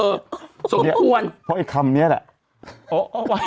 อย่างนี้ครับพออีกคำเนี่ยแหละ